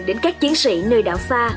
đến các chiến sĩ nơi đảo xa